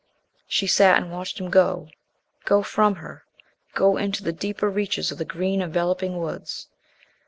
She sat and watched him go go from her go into the deeper reaches of the green enveloping woods.